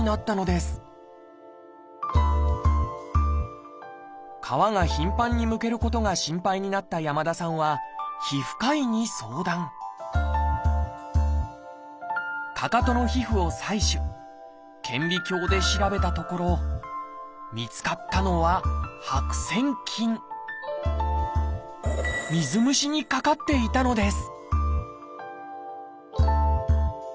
しかしその皮が頻繁にむけることが心配になった山田さんは皮膚科医に相談かかとの皮膚を採取顕微鏡で調べたところ見つかったのは水虫にかかっていたのです